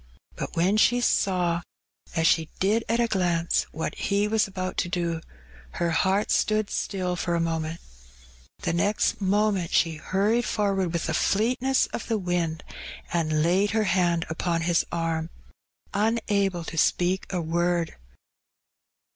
Bat when she saw — as she did at a glance — what he was about to do^ her heart stood still for a moment; the next moment she harried forward with the fleetness of the wind^ and laid her hand apon his arm^ unable to speak a word.